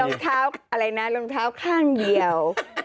รองเท้าอะไรนะรองเท้าข้างเดียว